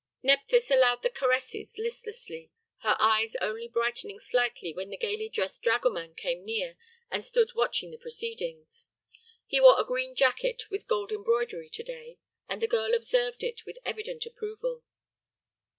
Nephthys allowed the caresses listlessly, her eyes only brightening slightly when the gaily dressed dragoman came near and stood watching the proceedings. He wore a green jacket with gold embroidery to day, and the girl observed it with evident approval.